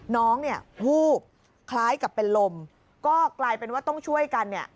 น้องเนี่ยวูบคล้ายกับเป็นลมก็กลายเป็นว่าต้องช่วยกันเนี่ย